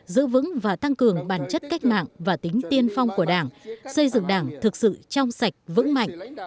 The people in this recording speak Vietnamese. giữ vững và tăng cường bản chất cách mạng và tính tiên phong của đảng xây dựng đảng thực sự trong sạch vững mạnh